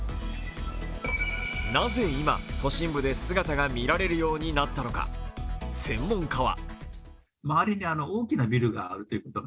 なぜ今、都心部で姿が見られるようになったのか、専門家は。